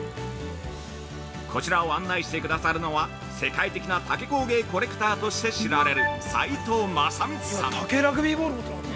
こちらを案内してくださるのは世界的な竹工芸コレクターとして知られる斎藤正光さん。